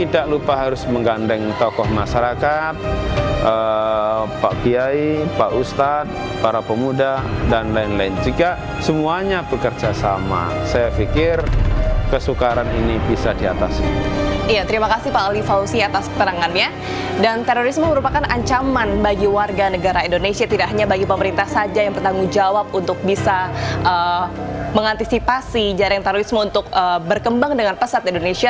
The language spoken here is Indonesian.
dan terorisme merupakan ancaman bagi warga negara indonesia tidak hanya bagi pemerintah saja yang bertanggung jawab untuk bisa mengantisipasi jaringan terorisme untuk berkembang dengan pesat indonesia